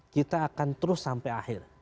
kita akan terus sampai akhir